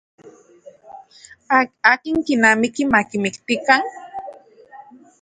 Akin kinamiki makimiktikan.